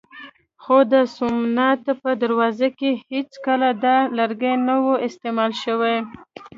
خو د سومنات په دروازو کې هېڅکله دا لرګی نه و استعمال شوی.